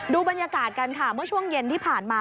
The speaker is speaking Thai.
ดูบรรยากาศกันค่ะเมื่อช่วงเย็นที่ผ่านมา